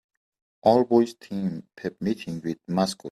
all boys team pep meeting with mascot